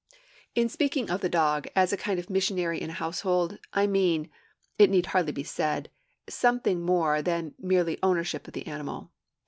In speaking of the dog as a kind of missionary in the household, I mean, it need hardly be said, something more than mere ownership of the animal.